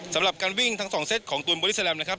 สำหรับการวิ่งทั้ง๒เซตของตูนบอดี้แลมนะครับ